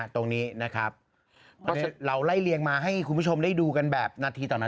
ตรงจริงแล้วถ้าสมมุติดูเจาะจง